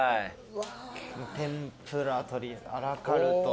天ぷらアラカルト。